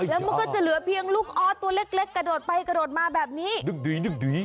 แล้วมันก็จะเหลือเพียงลูกออสตัวเล็กเล็กกระโดดไปกระโดดมาแบบนี้ดึงดีดึกดี